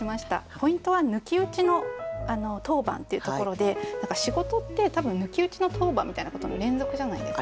ポイントは「抜き打ちの当番」っていうところで仕事って多分抜き打ちの当番みたいなことの連続じゃないですか。